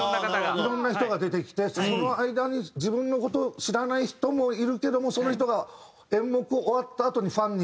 いろんな人が出てきてその間に自分の事を知らない人もいるけどもその人が演目終わったあとにファンになってるかどうか。